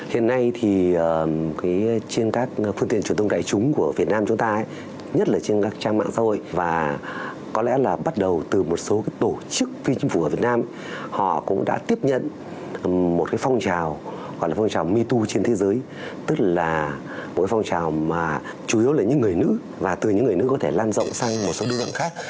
hiện nay thì trên các phương tiện truyền thông đại chúng của việt nam chúng ta nhất là trên các trang mạng xã hội và có lẽ là bắt đầu từ một số tổ chức phiên chính phủ ở việt nam họ cũng đã tiếp nhận một cái phong trào gọi là phong trào metoo trên thế giới tức là một cái phong trào mà chủ yếu là những người nữ và từ những người nữ có thể lan rộng sang một số đường gần khác